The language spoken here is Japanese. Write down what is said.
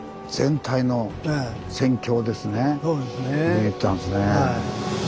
見えてたんですね。